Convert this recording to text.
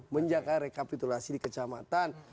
menjaga rekapitulasi di kecamatan